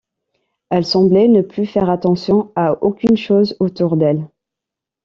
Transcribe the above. Elle semblait ne plus faire attention à aucune chose autour d’elle.